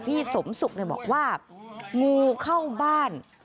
พี่สมศุกร์บอกว่างูเข้าบ้าน